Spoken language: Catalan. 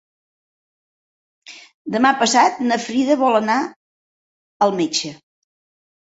Demà passat na Frida vol anar al metge.